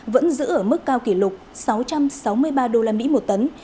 vẫn giữ ở mức cao kỷ lục sáu trăm sáu mươi ba usd một tấn